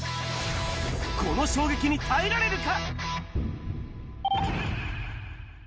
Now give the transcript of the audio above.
この衝撃に耐えられるか？